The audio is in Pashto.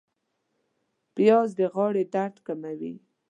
پیاز د غاړې درد کموي